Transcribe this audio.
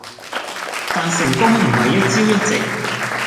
但成功唔係一朝一夕。